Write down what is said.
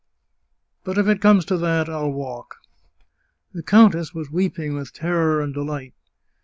But if it comes to that, I'll walk !" The countess was weeping with terror and delight.